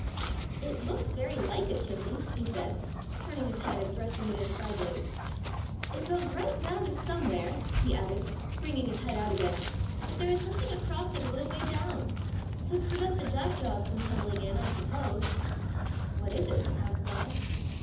"It looks very like a chimney," he said, turning his head and thrusting it in sideways. "It goes right down to somewhere," he added, bringing his head out again, "but there is something across it a little way down to prevent the jackdaws from tumbling in, I suppose." "What is it?" asked Donal.